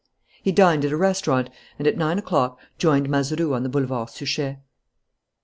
He dined at a restaurant and, at nine o'clock, joined Mazeroux on the Boulevard Suchet.